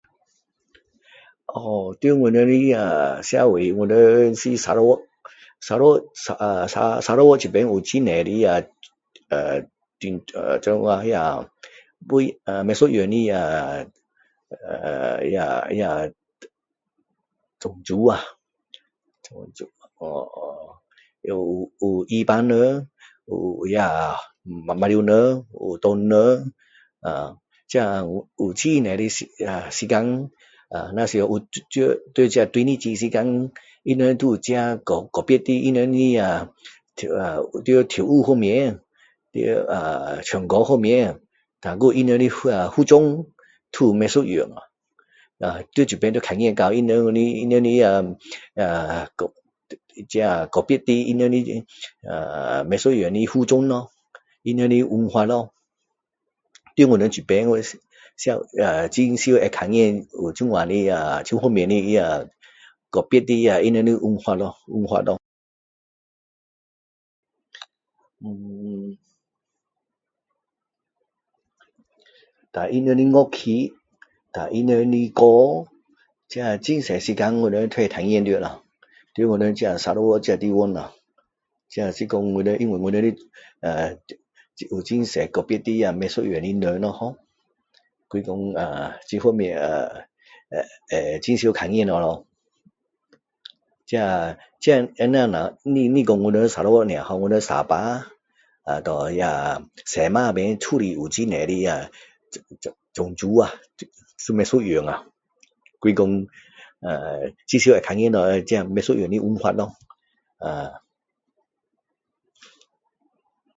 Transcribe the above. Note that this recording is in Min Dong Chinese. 哦，在我们的社会，我们是砂拉越，砂拉越这边有很多那，啊，啊，啊，啊，不一样的种族啊，哦。也有伊班人，有那马来友人，有唐人，啊，有很多的时间，要是在大日子时间，自己个别的跳舞训练，唱歌训练，还有他们的服装都不一样啊，在这里都看到他们的那，啊啊啊个别的不一样的服装咯，他们的文化咯，因为我们这边不一样的，很常会看到，跟他们的乐器，和他们的歌，这很常时间我们会看到，因为我们砂拉越这地方啊，因为我们这里有很多不一样的人【ho】，很常看到那，不只我们砂拉越，还有我们沙巴，西马也很多那种族啊，都不一样，就是讲很常看到不一样的文化咯